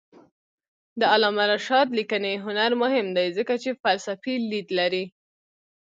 د علامه رشاد لیکنی هنر مهم دی ځکه چې فلسفي لید لري.